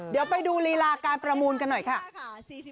เดี๋ยวไปดูรีลาการประมูลกันหน่อยค่ะ